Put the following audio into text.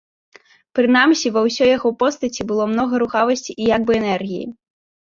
Прынамсі, ва ўсёй яго постаці было многа рухавасці і як бы энергіі.